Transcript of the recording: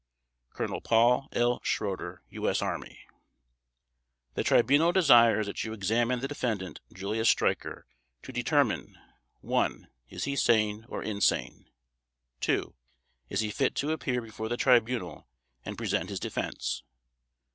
COLONEL PAUL L. SCHROEDER, U.S. Army. The Tribunal desires that you examine the Defendant JULIUS STREICHER to determine: 1. Is he sane or insane? 2. Is he fit to appear before the Tribunal and present his defense?